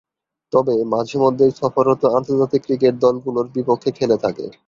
তবে, মাঝে-মধ্যেই সফররত আন্তর্জাতিক ক্রিকেট দলগুলোর বিপক্ষে খেলে থাকে।